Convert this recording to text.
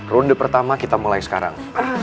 ronde pertama kita mulai sekarang